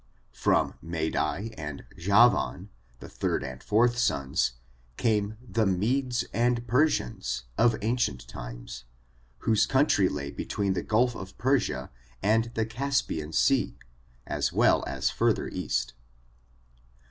From Madai and Javan, the third and fourth sons, came the Medes and Persians, of ancient times, whose country lay between the Gulf of Persia and the Cas pian Sea, as well as further east.